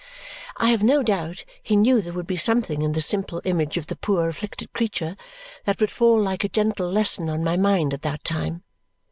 I have no doubt he knew there would be something in the simple image of the poor afflicted creature that would fall like a gentle lesson on my mind at that time.